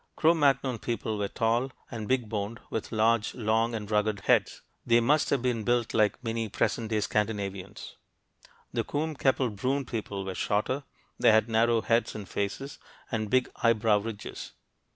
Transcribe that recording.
Cro Magnon people were tall and big boned, with large, long, and rugged heads. They must have been built like many present day Scandinavians. The Combe Capelle Brünn people were shorter; they had narrow heads and faces, and big eyebrow ridges.